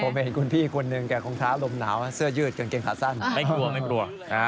ผมเห็นคุณพี่คนหนึ่งแก่คงท้าลมหนาวเสื้อยืดกางเกงขาสั้นไม่กลัวไม่กลัว